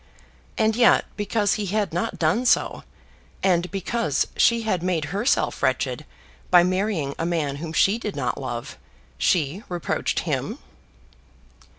And yet because he had not done so, and because she had made herself wretched by marrying a man whom she did not love, she reproached him!